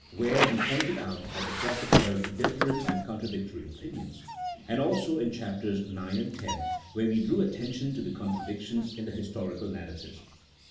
(where we pointed out that the prophets held different and contra dictory opinions), and also in Chaps. IX. and X., where we drew attention to the contradictions in the historical narra tives.